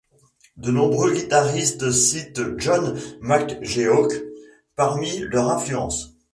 De nombreux guitaristes citent John McGeoch parmi leurs influences.